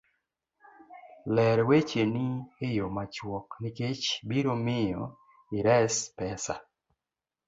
ler wecheni e yo machuok nikech biro miyo ires pesa.